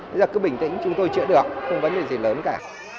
bây giờ cứ bình tĩnh chúng tôi chữa được không vấn đề gì lớn cả